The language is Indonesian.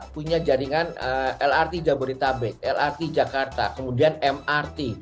punya jaringan lrt jabodetabek lrt jakarta kemudian mrt